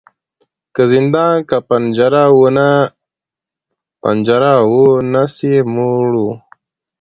که زندان که پنجره وه نس یې موړ وو